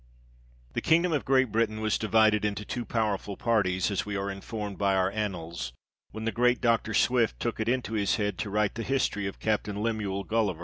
The kingdom of Great Britain was divided into two powerful parties, as we are informed by our annals, when the great Doctor Swift, took it into his head to write the history of Captain Lemuel Gulliver.